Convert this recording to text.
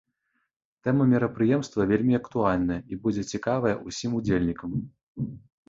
Тэма мерапрыемства вельмі актуальная і будзе цікавая ўсім удзельнікам.